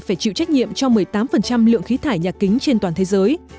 phải chịu trách nhiệm cho một mươi tám lượng khí thải nhà kính trên toàn thế giới